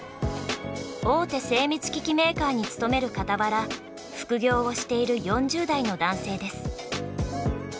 大手精密機器メーカーに勤めるかたわら副業をしている４０代の男性です。